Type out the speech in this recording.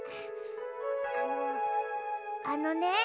あのあのね。